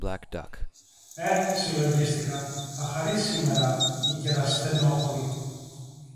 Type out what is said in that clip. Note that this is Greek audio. Ε, συλλογίστηκα, θα χαρεί σήμερα η κεραστενόχωρη